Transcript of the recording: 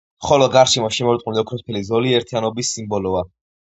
ხოლო გარშემო შემორტყმული ოქროსფერი ზოლი ერთიანობის სიმბოლოა.